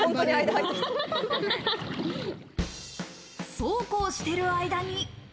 そうこうしている間に。